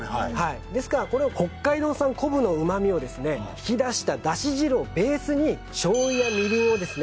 ですからこれを北海道産昆布の旨みをですね引き出しただし汁をベースに醤油やみりんをですね